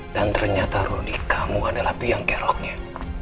dan ternyata rudy kamu adalah piang keroknya